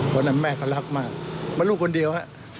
พออนั้นแม่เค้ารักมากเป็นลูกคนเดียว